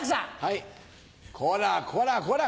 こらこらこら！